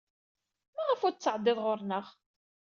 Maɣef ur d-tettɛeddid ɣer-neɣ?